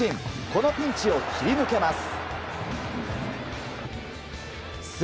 このピンチを切り抜けます。